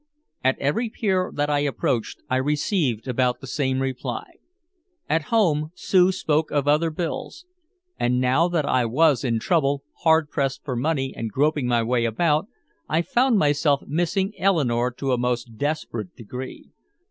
At every pier that I approached I received about the same reply. At home Sue spoke of other bills. And now that I was in trouble, hard pressed for money and groping my way about alone, I found myself missing Eleanore to a most desperate degree.